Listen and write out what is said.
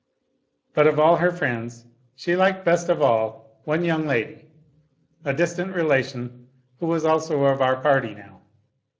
But of all her friends she liked best of all one young lady, a distant relation, who was also of our party now.